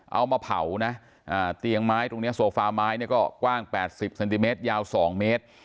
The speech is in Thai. เอามาเผานะอ่าเตียงไม้ตรงเนี้ยโสฟาไม้เนี้ยก็กว้างแปดสิบเซนติเมตรยาวสองเมตร